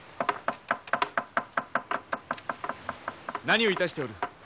何をいたしておる？